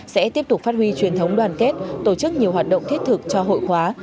sẽ tiếp tục phát huy truyền thống đoàn kết tổ chức nhiều hoạt động thiết thực cho hội khóa